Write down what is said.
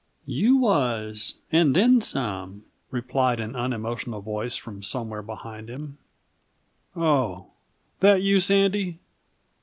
"You was and then some," replied an unemotional voice from somewhere behind him. "Oh! That you, Sandy?"